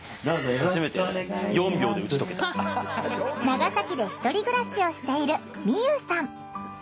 長崎で１人暮らしをしているみゆうさん。